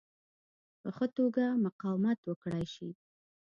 په ښه توګه مقاومت وکړای شي.